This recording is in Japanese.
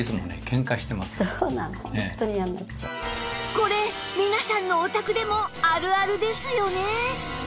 これ皆さんのお宅でもあるあるですよね